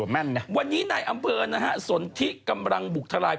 วันนี้ในอำเภอนะฮะส่วนที่กำลังบุกทะลาย